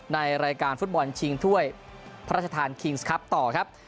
ในรายการฟุตบอลชิงถ้วยพระราชทานคิงส์ครับต่อครับ